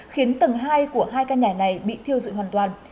khiến tầng hai của hai căn nhà này bị thiêu dụi hoàn toàn